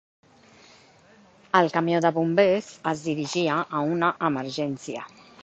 El camió de bombers es dirigia a una emergència.